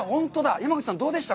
山口さん、どうでした？